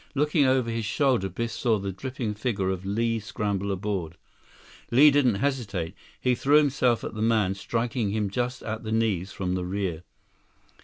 Looking over his shoulder, Biff saw the dripping figure of Li scramble aboard. Li didn't hesitate. He threw himself at the man, striking him just at the knees from the rear.